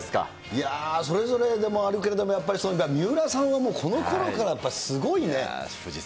いやー、それぞれでもあるけれども、やっぱり三浦さんはもうこのころからすごいね。